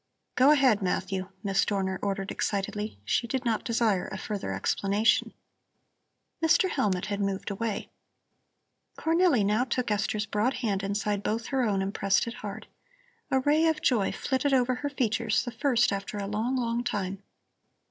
"Go ahead, Matthew," Miss Dorner ordered excitedly. She did not desire a further explanation. Mr. Hellmut had moved away. Cornelli now took Esther's broad hand inside both her own and pressed it hard. A ray of joy flitted over her features, the first after a long, long time.